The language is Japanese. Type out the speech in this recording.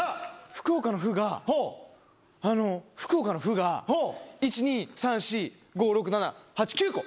福岡のふが、あの福岡のふが、１、２、３、４、５、６、７、８、９個。